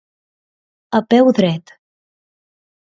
A peu dret.